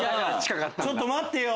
待ってよ！